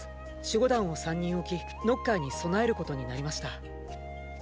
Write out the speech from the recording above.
守護団を３人置きノッカーに備えることになりました。